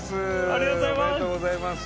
ありがとうございます！